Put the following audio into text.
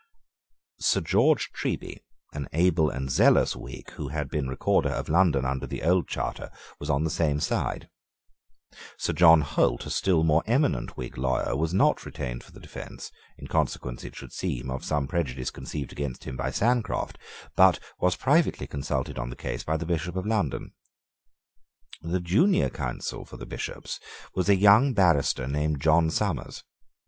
Sir George Treby, an able and zealous Whig, who had been Recorder of London under the old charter, was on the same side. Sir John Holt, a still more eminent Whig lawyer, was not retained for the defence, in consequence, it should seem, of some prejudice conceived against him by Sancroft, but was privately consulted on the case by the Bishop of London. The junior counsel for the Bishops was a young barrister named John Somers.